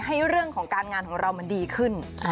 ให้เรื่องของการงานของเรามันดีขึ้น